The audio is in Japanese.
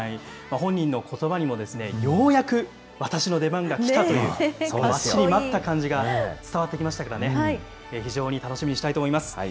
本人のことばにもようやく私の出番がきたという、待ちに待った感じが伝わってきましたからね、非常に楽しみにしたいと思います。